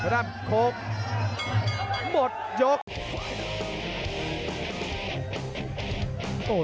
สำนัก